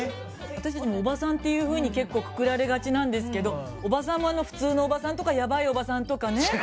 私たちもおばさんっていうふうに結構くくられがちなんですけどおばさんもあの普通のおばさんとかやばいおばさんとかね。